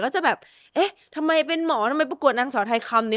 แล้วจะแบบเอ๊ะทำไมเป็นหมอทำไมประกวดนางสาวไทยคำนี้